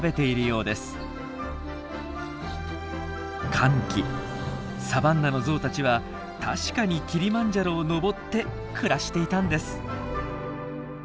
乾季サバンナのゾウたちは確かにキリマンジャロを登って暮らしていたんです！